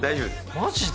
マジで？